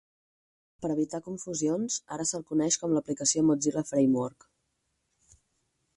Per a evitar confusions, ara se'l coneix com l'aplicació Mozilla Framework.